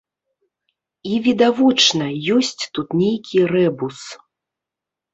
І, відавочна, ёсць тут нейкі рэбус.